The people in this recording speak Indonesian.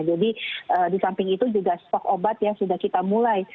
jadi di samping itu juga stok obat ya sudah kita mulai